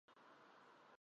تمہیں شرم نہیں آتی؟